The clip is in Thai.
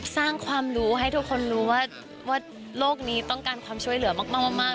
สร้างความรู้ให้ทุกคนรู้ว่าโลกนี้ต้องการความช่วยเหลือมาก